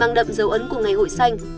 mang đậm dấu ấn của ngày hội xanh